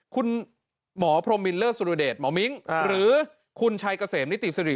คุณหมอพรมมิลเลอร์สุรเดชหมอมิ้งหรือคุณชัยเกษมนิติสิริ